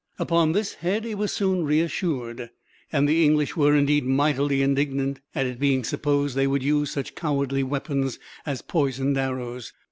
Upon this head he was soon reassured; and the English were, indeed, mightily indignant at its being supposed that they would use such cowardly weapons as poisoned arrows.